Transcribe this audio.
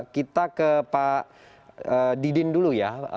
kita ke pak didin dulu ya